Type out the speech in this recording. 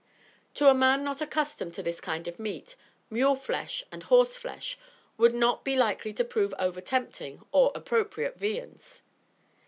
] To a man not accustomed to this kind of meat, mule flesh and horse flesh would not be likely to prove over tempting or appropriate viands.